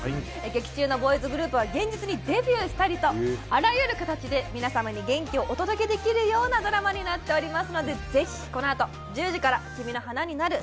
劇中のボーイズグループは現実にデビューしたりとあらゆる形で皆様に元気をお届けできるようなドラマになっておりますのでぜひこのあと１０時から「君の花になる」